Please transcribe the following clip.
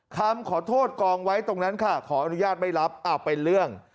คำขอโทษกองไว้ตรงนั้นค่ะขออนุญาตไม่รับเป็นเรื่อง